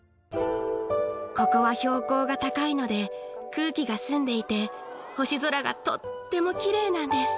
ここは標高が高いので空気が澄んでいて星空がとっても奇麗なんです。